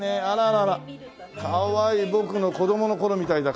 かわいい僕の子供の頃みたいだ。